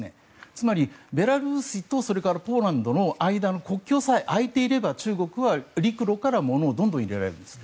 つまりベラルーシとポーランドの間の国境さえ開いていれば中国は陸路から物をどんどん入れられるんです。